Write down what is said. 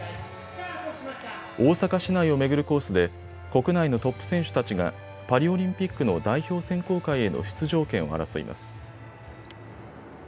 大阪市内を巡るコースで国内のトップ選手たちがパリオリンピックの代表選考会への出場権を争います。